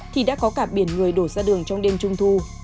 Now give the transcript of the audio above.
thì đã có cả biển người đổ ra đường trong đêm trung thu